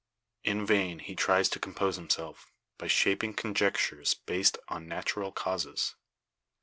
In vain he tries to compose himself, by shaping conjectures based on natural causes.